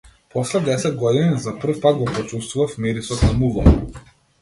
После десет години, за прв пат го почувствував мирисот на мувлата.